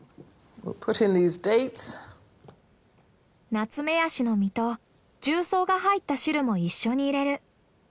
ナツメヤシの実と重曹が入った汁も一緒に入れる。